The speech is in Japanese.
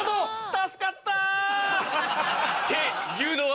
助かった！っていうのは！